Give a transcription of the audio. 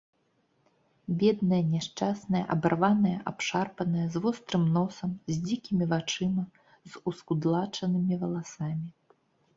Бедная, няшчасная, абарваная, абшарпаная, з вострым носам, з дзікімі вачыма, з ускудлачанымі валасамі.